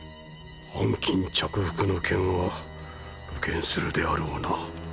藩金着服の件は露見するであろうな。